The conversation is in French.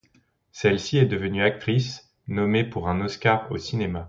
Celle-ci est devenue actrice, nommée pour un Oscar du cinéma.